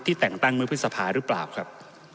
แต่งตั้งเมื่อพฤษภาหรือเปล่าครับ